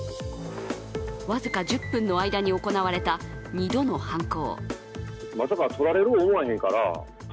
わずか１０分の間に行われた２度の犯行。